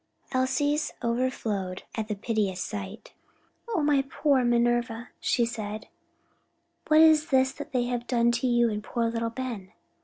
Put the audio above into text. Elsie's overflowed at the piteous sight. "O my poor Minerva," she said, "what is this they have done to you and poor little Ben?"